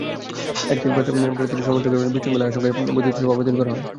একাধিক প্রার্থীর সমর্থকদের মধ্যে বিশৃঙ্খলার আশঙ্কায় বর্ধিত সভা বাতিল করা হয়।